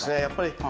やっぱり。